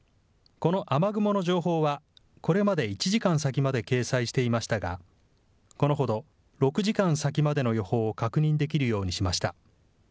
この雨雲の情報はこれまで１時間先まで掲載していましたがこのほど６時間先までの予報を確認できるようにしました。